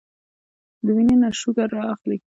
د وينې نه شوګر را اخلي